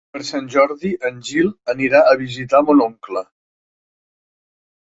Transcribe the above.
Per Sant Jordi en Gil anirà a visitar mon oncle.